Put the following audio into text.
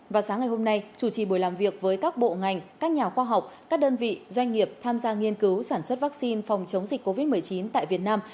và sáng ngày hôm nay chủ trì buổi làm việc với các bộ ngành các nhà khoa học các đơn vị doanh nghiệp tham gia nghiên cứu sản xuất vaccine phòng chống dịch covid một mươi chín tại việt nam